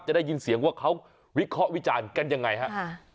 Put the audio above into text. จะได้ยินเสียงว่าเขาวิเคราะห์วิจารณ์กันยังไงฮะ